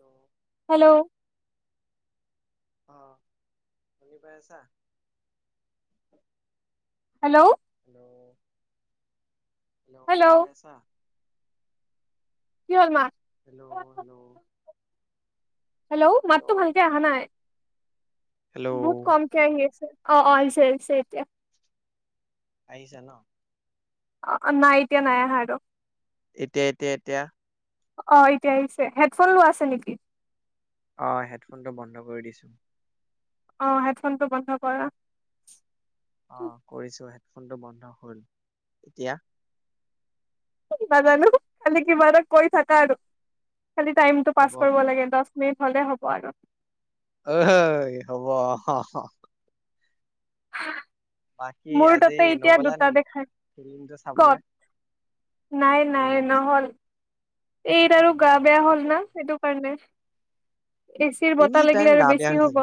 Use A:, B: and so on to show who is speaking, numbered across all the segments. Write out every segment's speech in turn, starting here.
A: অ
B: hello
A: অ শুনি পাই আছা
B: হেল্ল'
A: হেল্ল' হেল্ল' শুনি পাই আছা
B: লৰ্মা [inaudible]
A: হেল্ল' হেল্ল'
B: হেল্ল' মাতটো ভালকে অহা নাই
A: হেল্ল'
B: বহুত কমকে আহি আছে অ অ আহিছে আহিছে এতিয়া
A: আহিছে ন
B: অ নাই এতিয়া নাই আহা আক
A: এতিয়া এতিয়া এতিয়া
B: অ এতিয়া আহিছে হেডফোন লোৱা আছে নেকি?
A: অ হেডফোনটো বন্ধ কৰি দিছো
B: অ হেডফোনটো বন্ধ কৰা।
A: অ কৰিছোহে ফোনটো বন্ধ হল এতিয়া
B: নাজানো খালি কিবা এটা কৰি থাকা আৰু খালি টাইমটো পাছ
A: হ'ব
B: কৰিব লাগে দহ সু ভালে হ'ব আৰু
A: আহ হব বাকী
B: মোৰ
A: আজি
B: তাতে এতিয়া
A: নগলা
B: দুটা
A: নেকি
B: দেখাই
A: ফিল্মটো চাবলে
B: কত
A: ফিল্মটো চাবলৈ
B: এতিয়া আৰু গা বেয়া হ'ল না সেইটো কাৰণে এচিৰ
A: এনি
B: বতাহ
A: টাইম
B: লাগিলে আৰু
A: গা বেয়া
B: বেছি
A: হৈ
B: হব।
A: থাকে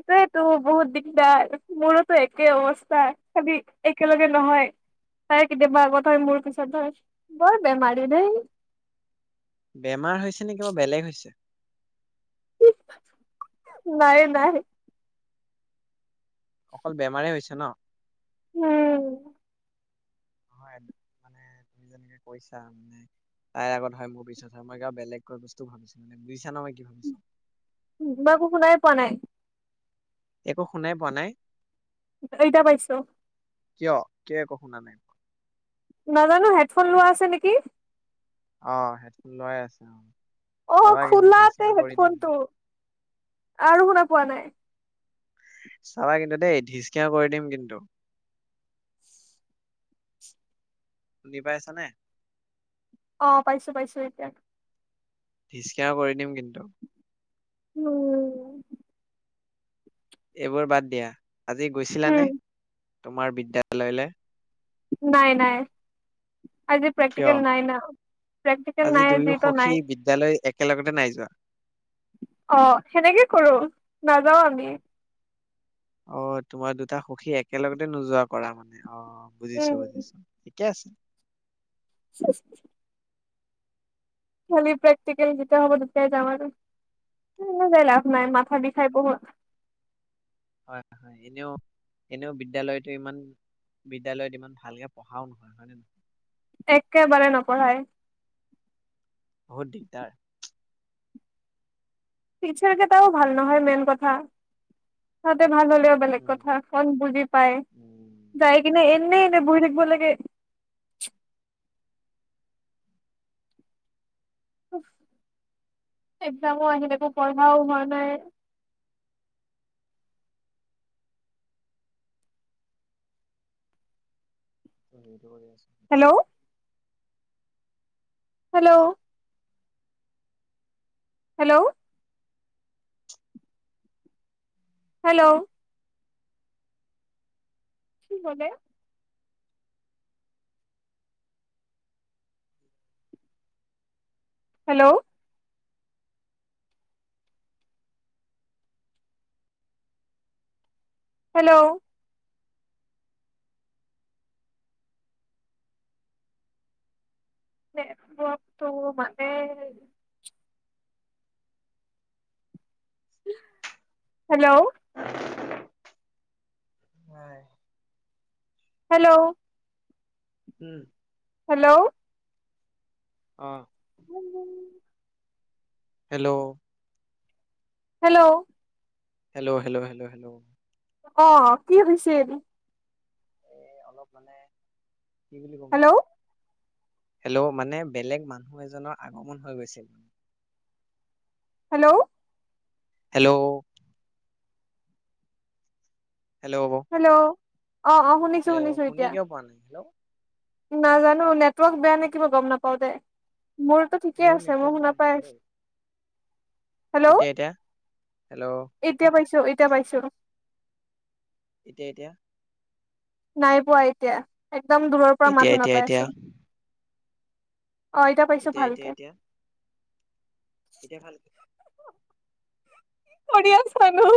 B: এইটোয়েতো বহুত দিগদাৰ মোৰোতো একে অৱস্থা খালি একেলগে নহয় তাৰে কেতিয়াবা আগত হয় মোৰ পিছত হয় বল বেমাৰী নাই
A: বেমাৰ হৈছে নেকি বা বেলেগ হৈছে
B: নাই নাই
A: অকল বেমাৰে হৈছে ন
B: উম
A: নহয় মানে তুমি যেনেকে কৈছা মানে তাইৰ আগত হয় মোৰ পিছত হয় মই বেলেগকৈ বস্তু ভাবিছো মানে বুজিছা ন মই কি ভাবিছো।
B: মই একো শুনাই পোৱা নাই
A: একো শুনাই পোৱা নাই
B: এতিয়া পাইছ।
A: কিয় কিয় একো শুনা নাই
B: নাজানো হেডফোন লোৱা আছে নেকি?
A: অ হেডফোন লোৱাই আছে অ।
B: অ
A: চাবা কিন্তু
B: খোলাতে
A: ধিচকিয়া কৰি দিম
B: হেডফোনটো
A: কিন্তু।
B: আৰু শুনা পোৱা নাই
A: চাবা কিন্তু দেই ধিচকিয় কৰি দিম কিন্তু শুনি পাইছ নাই
B: অ পাইছো পাইছো এতিয়া
A: থিচকেয়াও কৰি দিম কিন্তু।
B: উম।
A: এইবোৰ বাদ দিয়া। আজি গৈছিলানে।
B: উম
A: তোমাৰ বিদ্যালয়লৈ।
B: নাই নাই। আজি
A: কিয়
B: প্ৰেক্টিকেল নাই ন প্ৰক্টিকেল
A: আজি
B: নাই
A: দুয়ো
B: আজিটো
A: সখী
B: নাই।
A: বিদ্যালয় একেলগতে নাই যোৱা।
B: অ সেনেকে কৰো নাযাও আমি।
A: অ তোমাৰ দুটা সখী একেলগতে নোযোৱা কৰা মানে। অ বুজিছো বুজিছো। কেচ।
B: চেচ। খালি প্ৰোক্টিকেল যেতিয়া হব তেতিয়াই যাম আৰু। এনেই যায় লাভ
A: অ
B: নাই মাথা বিষাই বহুত।
A: হয় হয় এনেও এনেও বিদ্যালয়তো ইমান বিদ্যালয়ত ইমান ভালকে পঢ়াও নহয় হয় নে নহয়।
B: একেবাৰে নপঢ়াই।
A: বহুত দিগদাৰ।
B: টিচাৰ কেটাও ভাল নহয় মেইন কথা সিঁহতি। ভাল হ'লেও বেলেগ
A: উম
B: কথা অকন বুজি পাই
A: উম
B: যাই কিনে
A: বুজিছো।
B: এনে এনে বহি থাকিব লাগে। একজামো আহিলে একো পঢ়াও হোৱা নাই।
A: উম।
B: হেল্ল'
A: আছো।
B: হেল্ল' হেল্ল' হেল্ল' কি কলে। হেল্ল' হেল্ল' মই তো মানে। হেল্ল'
A: হয়।
B: হেল্ল'
A: উম।
B: হেল্ল'
A: অহ। Hello
B: hello
A: hello hello hello hello.
B: অ কি হৈছে হৈছে।
A: ় [unintelligible] ়
B: হেল্ল'
A: [unintelligible] হেল্ল' মানে বেলেগ মানুহ এজনৰ আগমন হৈ গৈছিল মানে।
B: হেল্ল'
A: হেল্ল' হেল্ল'
B: অ অ শুনিছোঁ
A: হেল্ল'
B: শুনিছোঁ
A: শুনি
B: এতিয়া
A: কিয় পোৱা নাই হেল্ল'
B: নাজানো নেটৱৰ্ক বেয়া নে কিবা গম নাপাওঁ দে মোৰতো ঠিকেই
A: মোৰ
B: আছে
A: নেটৱৰ্ক
B: মই
A: বেয়া
B: শুনাপাই
A: নহয়
B: আছোঁ
A: দেই এতিয়া এতিয়া হেল্ল'
B: এতিয়া পাইছোঁ এ এতিয়া পাইছোঁ
A: এতিয়া এতিয়া
B: নাই পোৱা এতিয়া একদম দূৰৰ পৰা
A: এতিয়া
B: মাত
A: এতিয়া
B: শুনাপাই
A: এতিয়া
B: আছোঁ অ এতিয়া পাইছোঁ
A: এতিয়া
B: ভালকে
A: এতিয়া এতিয়া ভালকে
B: কৰি আছা ন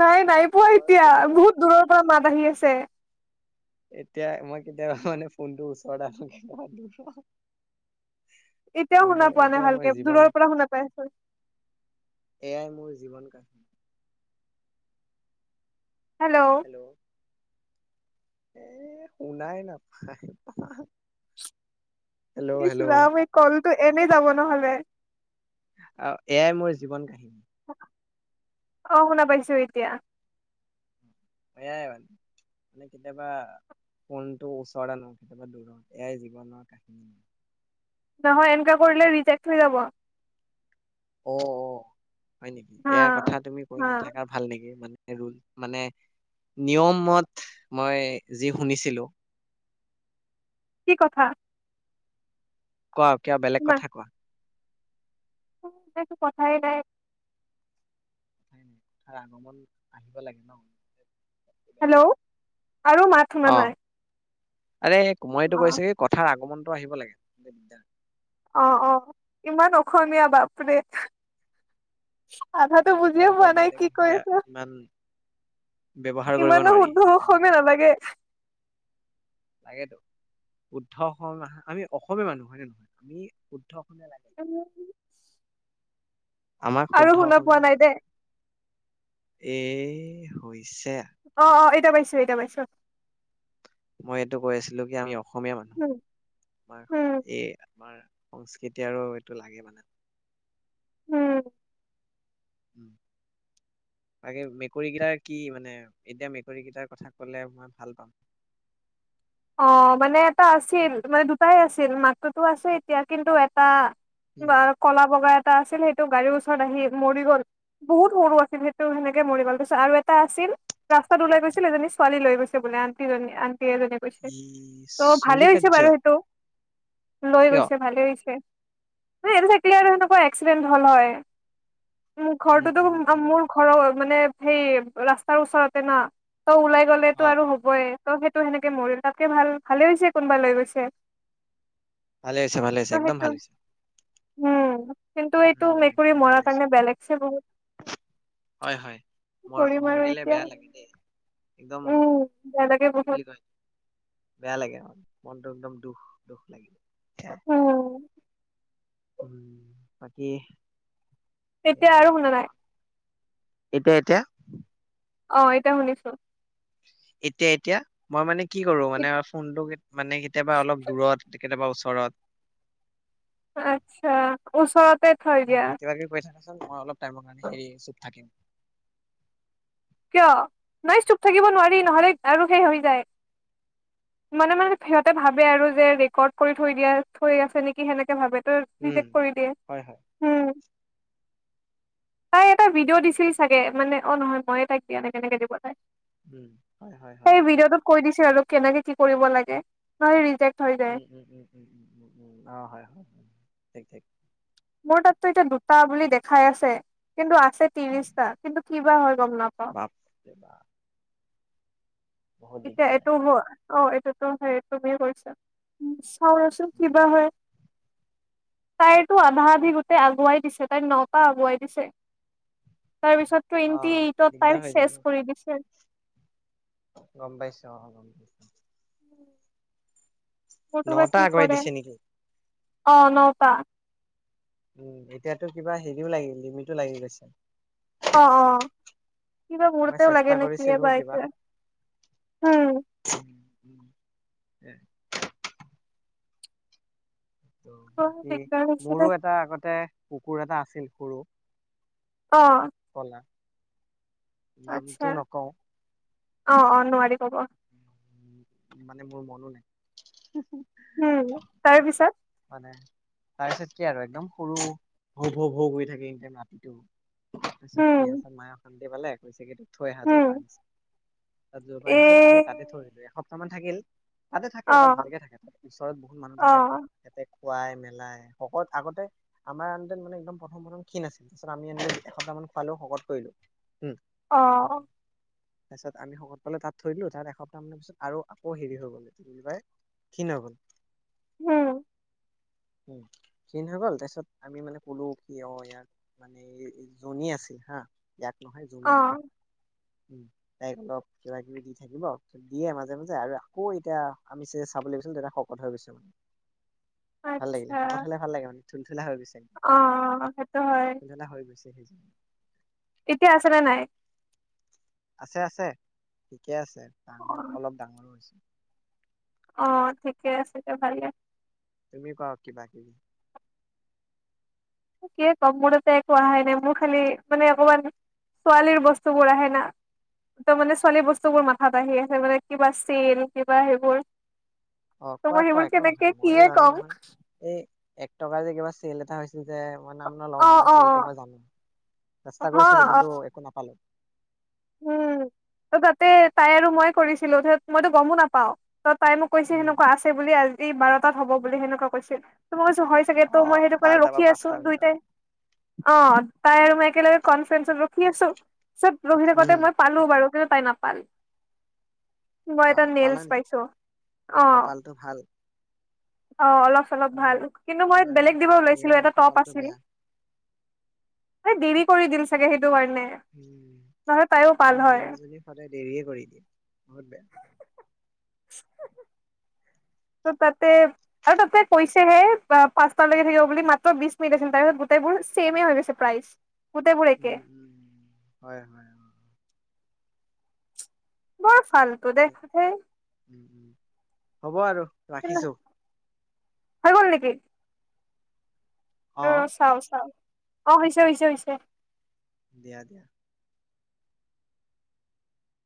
B: নাই নাই পোৱা
A: মই
B: এতিয়া
A: কেতিয়াবা
B: বহুত দূৰৰ পৰা মাত আহি আছে
A: এতিয়া মই কেতিয়াবা মানে ফোনটোৰ ওচৰত আৰু কেতিয়াবা দূৰত
B: এতিয়াও
A: কিন্তু
B: শুনা পোৱা নাই
A: এইটোৱে মোৰ
B: ভালকে
A: জীৱন
B: দূৰৰ পৰা শুনা পাই আছোঁ।
A: এয়াই মোৰ জীৱন কাহিনী
B: হেল্ল
A: হেল্ল' এ শুনাই নাপায় পা
B: ইচ ৰাম এই কলটো এনেই যাব নহ'লে
A: এয়াই মোৰ জীৱন কাহিনী
B: অহ শুনা পাইছোঁ এতিয়া
A: এয়াই মানে মানে কেতিয়াবা কোনটো ওচৰে নো কেতিয়াবা দূৰত এয়াই জীৱনৰ কাহিনী
B: নহয় এনেকে কৰিলে ৰিজেক্ট হৈ যাব
A: অ অ হয় নেকি
B: হা
A: এয়াৰ কথা তুমি কৈ
B: হা
A: নাথাকা ভাল নেকি মানে এই ৰুল‌ মানে নিয়মত মই যি শুনিছিলোঁ।
B: কি কথা।
A: কোৱা কিয় বেলেগ
B: ইমান
A: কথা কোৱা।
B: একো কথাই নাই।
A: কথাই নাই কথাৰ আগমন আহিব লাগে ন
B: হেল্ল' আৰু মাত শুনা
A: অ
B: নাই।
A: আৰে মইতো
B: অ
A: কৈছো কি কথাৰ আগমন। আকৌ আহিব লাগে বিদ্যা
B: অ অ ইমান অসমীয়া বাপৰে। আধাটো
A: ইয়াত
B: বুজিয়ে
A: আকৌ
B: পোৱা নাই
A: বেলেগ
B: কি কৈ
A: ভাষা
B: আছে
A: ইমান ব্যৱহাৰ কৰিব
B: ইমানো
A: নোৱাৰি
B: শুদ্ধ।
A: সেইকাৰণে
B: অসমীয়া নালাগে
A: লাগেতো শুদ্ধ অসম আমি অসমীয়া মানুহ হয় নে নহয় আমি শুদ্ধ অসমীয়া। লাগে
B: উম আৰু শুনা পোৱা নাই দেই।
A: এ হৈছে।
B: অ অ এতিয়া পাইছোঁ এতিয়া পাইছোঁ।
A: মই এইটো কৈ আছিলোঁ কি আমি অসমীয়া। অসমীয়া মানুহ
B: উম
A: আমাৰ
B: উম
A: এই আমাৰ সংস্কৃতি আৰু এইটো লাগে মানে।
B: উম
A: বাকি মেকুৰীকেইটাৰ কি মানে এতিয়া মেকুৰীকেইটাৰ কথা কলে মই ভাল পাম।
B: অ মানে এটা আছিল মানে দুটাই আছিল মাকটোতো আছে এতিয়া কিন্তু এটা।
A: উম
B: ক'লা বগা এ। দুটা আছিল সেইটো গাড়ীৰ ওচৰত আহি মৰি গ'ল বহুত সৰু আছিল সেইটো সেনেকে মৰি গল পিছত আৰু এটা আছিল ৰাস্তাত ওলাই গৈছিল এজনী ছোৱালী লৈ গৈছে বোলে আন্টিজনী আন্টি এজনী। কৈছে
A: ই
B: ত' ভালে
A: চুৰি
B: হৈছে বাৰু
A: কাৰ্য।
B: সেইটো লৈ
A: কিয়
B: গৈছে ভালে হৈছে। এইটো চাইাক আৰু সেনেকুৱা এক্সিডেণ্ট হ'ল হয়। মোৰ
A: উম উম
B: ঘৰটোতো
A: উম
B: মোৰ ঘৰৰ মানে। সেই ৰাস্তাৰ ওচৰতে না। ত ওলাই
A: অ
B: গ'লেতো আৰু
A: অ
B: হবয়ে। ত সেইটো সেনেকে মৰিল। তাকে ভাল ভালে হৈছে কোনোবা লৈ গৈছে।
A: ভালে হৈছে ভালে
B: ত'
A: হৈছে একদম
B: সেইটো
A: ভালে হৈছে।
B: উম কিন্তু এইটো
A: উম
B: মেকুৰী
A: একদম ভাল
B: মৰাৰ
A: হৈছে
B: কাৰণে বেয়ালাগছে বহুত
A: হয় হয় মৰ
B: কৰিম আৰু
A: মৰিলে
B: এতিয়া
A: বেয়া লাগে দেই একদম
B: উম বেয়ালাগে
A: কি
B: বহুত।
A: বুলি কয় বেয়া লাগে মনটো একদম দুখ দুখ লাগিল। খেওঁ। [inaudible]
B: উম,
A: ওম বাকী।
B: এতিয়া আৰু শুনা নাই
A: সেইগিটা। [inaudible] এতিয়া, এতিয়া।
B: অ এতিয়া শুনিছো। [inaudible]
A: এতিয়া এতিয়া মই মানে। [inaudible] কি কৰো মানে ফোনটো মানে কেতিয়াবা অলপ দূৰত। কেতিয়াবা ওচৰত
B: আচ্ছা ওচৰতে থৈ
A: উম,
B: দিয়া।
A: কিবা কিবি কৈ থাকাচোন মই অলপ টাইমৰ কাৰণে হেৰি চুপ থাকিম।
B: কিয়? নাই চুপ থাকিব নোৱাৰি নহলে আৰু সেই হৈ যায় মনে মনে সিহঁতে ভাবে আৰু যে ৰেকৰ্ড কৰি থৈ দিয়া থৈ আছে নেকি সেনেকে ভাবে। উম, নিজে কৰি দিয়ে
A: হয় হয়
B: উম। তাই এটা ভিডিঅ' দিছিল চাগে মানে, অ নহয় মই তাইক দি তেনে কেনেকে দিব।
A: ওম হয়, হয়,
B: সেই
A: হয়।
B: ভিডিঅ'টোত কৈ দিছে আৰু কেনেকে কি কৰিব লাগে নহয় ৰিজেক্ট। হৈ যায়।
A: উম্ উম্ উম্ উম্ অ হয় হয়। ঠিক ঠিক।
B: মোৰ তাততো এতিয়া দুটা বুলি দেখাই আছে। কিন্তু আছে ত্ৰিশটা কিন্তু কিবা হয় গম নাপাওঁ।
A: বাপ ৰে বাপ বহুত
B: এতিয়া
A: দিগদাৰ।
B: এটো হয়। অ এইটোতো সেই তুমি কৰিছা। হয় ৰহচোন
A: উম।
B: কিবা হয়। তাইৰতো আধা আধি গোটেই আগুৱাই দিছে তাইৰ নওটা আগুৱাই দিছে। তাৰ পিছত
A: অ
B: টুৱেন্টি এইটত টাইম
A: দিগদাৰ হৈ যায়
B: চেছ
A: ন।
B: কৰি দিছে।
A: গম পাইছো অঁ গম পাইছো। নটা আগুৱাই দিছে নেকি
B: অঁ নটা
A: ম এতিয়াতো কিবা হেৰিও লাগিল লিমিটো লাগি গৈছে
B: অঁ অঁ। কিবা
A: মই
B: মৰতেওঁ
A: চেষ্টা
B: লাগে নেকি
A: কৰিছিলো
B: বা
A: কিবা
B: এতিয়া
A: উ [unintelligible] ত বাকী
B: দিগদাৰ হৈছে দে
A: মোৰো এটা আগতে কুকুৰ এটা আছিল সৰু
B: অঁ
A: কলা নামটো নকওঁ
B: অঁ অঁ নোৱাৰি কব
A: মানে মোৰ মনো নাই।
B: উম তাৰ পিছত!
A: মানে তাৰপিছত কি আৰু একদম সৰু ভৌ ভ ভৌ গৈ থাকে এ ৰাতিটো। তাৰপিছত
B: উম
A: কি দ পালে একৈছে কিন্তটো থৈ আহা জ
B: উম
A: প জ
B: এ
A: পানছ আমি তাতে থৰিলো এ বৰ্তমান থাকিল তাতে থাকে
B: অ
A: তাত ভালকে থাকে তাত ওচৰত বহুত মানুহ
B: অ
A: থাকে ততে খুৱাই মেলাই শকত আগতে আমাৰ আনতেন মানে একদম প্ৰথম প্ৰথম ক্ষীণ আছিল তাৰ পিছত আমিনে এসপ্তাহ মান খোৱালেও শকত কৰিলোম
B: অ
A: তাৰপিছত আমি শগত পালে তাত থৰিলো তাত সপ্তাহ মানৰ পিছত আৰু আকৌ হেৰি হৈ গ'লাই ক্ষীণ হৈ গল
B: উম
A: উ স নহ গল তাৰপিছত আমি মানে কলো কি অ ইয়াৰ মানে জনী আছিল হা ইয়াত নহয়
B: অ
A: জমি উ তাইক অলপ কিবা কিবি দি থাকিব দিয়ে মাজে মাজে আৰু আকৌ এতিয়া আমি চাব ল গৈছিল তেটা শকত হৈ গৈছে মানে ভাল লাগিলে
B: আচ্ছা
A: শকত হালে ভাল লাগে মানে পখিলা হৈ গৈছে
B: অ সেইটো হয়
A: পখিলা হৈ গৈছে সেই
B: এতিয়া আছে নে নাই
A: আছে আছে একে আছে
B: অ
A: ডাঙৰ অলপ ডাঙৰো হৈছে
B: অ ঠিকে আছে দে ভালেই
A: তুমি কোৱা কিবা কিবি কি
B: কিয় কম মোৰ তাতে একো অহাই নাই মোৰ খালি মানে অকমান ছোৱালীৰ বস্তুবোৰ আহে না একদম মানে ছোৱালীৰ বস্তুবোৰ মাথাত আহি আছে মানে কিবা চল কিবা সেইবোৰ
A: অ
B: ত মই
A: কোৱা কোৱা
B: সেইবোৰ
A: একো
B: কেনেকে
A: নহয় ময়ো
B: কিয়ে
A: জানো
B: কম
A: নহয় এই এক টকা যে কেবাৰ চেল এটা হৈছে যে মই নাম নলওঁ
B: অ
A: কিন্তু
B: অ
A: চেলটো মই জানো
B: অ
A: চেষ্টা
B: হ
A: কৰিছিলো
B: অ
A: কিন্তু একো নাপালো
B: উম ত তাতে তাই আৰু মই কৰিছিলো ত মইতো গমো নাপাও ত তাই মোক কৈছে
A: উম
B: সেনেকুৱা আছে বুলি আজি বাৰ বাৰতা হ'ব বুলি সেনেকুৱা কৈছিল হয় চাগে ত
A: অ
B: মই সেইটো কাৰে
A: বাৰটা
B: ৰখি
A: বা
B: আছো
A: পাঁচটাৰ ভিতৰত
B: দুইটাই অ তাই আৰু মই একেলগে কনফত কি আছো চ ৰোহিল কথা
A: উম
B: মই পালো বাৰু। পাই নাপালি। মই
A: বা
B: এটা
A: পালা
B: নেলছ
A: নেকি
B: পাইছো অ।
A: কপালটো ভাল
B: অ অলপ চলপ ভাল
A: আমাৰ
B: কিন্তু মই
A: আমাৰ
B: বেলেগ দিব ওলাইছিলো
A: হীৰাৰ
B: এটা টপ
A: কপালটো
B: আছিল।
A: বেয়া
B: এই দেৰি কৰি দিল চাগে সেইটো। ণে
A: উম
B: নহলে তাইও পাল
A: আমাৰ
B: হয়।
A: হীৰাজনী সদায় দেৰিয়ে কৰি দিয়ে বহুত বেয়া।
B: [unintelligible] ত তাতে আৰু তাতে কৈছেহে পাঁচটালৈকে থাকিব বুলি মাত্ৰ বিশ মিনিট আছিল তাৰপিছত গোটেইবোৰ চছেমে হৈ গৈছে প্ৰাইজ।
A: উম উম হয় হয়।
B: বৰ ফাল্টু দে ধেই
A: উ উ হব আৰু ৰাখিছো
B: হয় গ'ল নেকি
A: অ
B: ৰ ৰ চাও চাও। অ হৈছে হৈছে হৈছে।
A: দিয়া দিয়া।